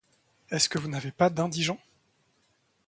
Est-ce que vous n’avez pas d’indigents !